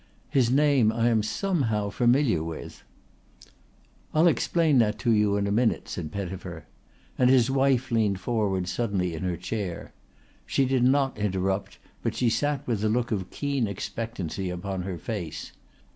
His name I am somehow familiar with." "I'll explain that to you in a minute," said Pettifer, and his wife leaned forward suddenly in her chair. She did not interrupt but she sat with a look of keen expectancy upon her face.